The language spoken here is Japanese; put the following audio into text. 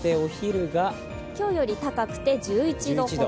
今日より高くて１１度ほど。